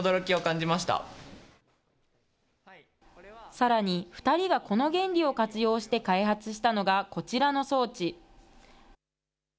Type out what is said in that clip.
さらに、２人がこの原理を活用して開発したのが、こちらの装置。